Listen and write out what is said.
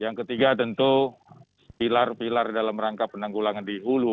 yang ketiga tentu pilar pilar dalam rangka penanggulangan di hulu